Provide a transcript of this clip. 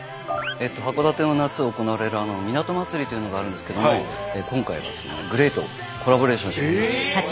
函館の夏行われる港まつりというのがあるんですけども今回はですねＧＬＡＹとコラボレーションしてます。